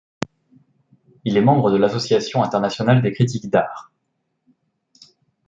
Il est membre de l’Association internationale des critiques d'art.